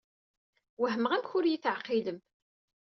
Wehmeɣ amek ur yi-d-teɛqilem.